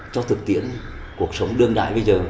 cho thực tiễn cuộc sống đương đại bây giờ